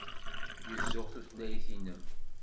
Gezzuɣ tutlayt-inem.